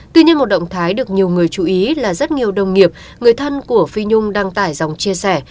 tuy nhiên một động thái được nhiều người chú ý là rất nhiều đồng nghiệp người thân của phi nhung đăng tải dòng chia sẻ